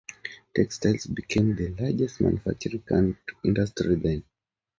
Textiles became the largest manufacturing industry then.